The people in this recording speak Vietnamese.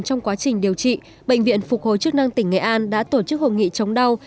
trong quá trình điều trị bệnh viện phục hồi chức năng tỉnh nghệ an đã tổ chức hội nghị chống đau